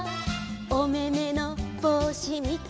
「おめめのぼうしみたいだよ」